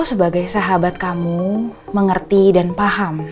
sebagai sahabat kamu mengerti dan paham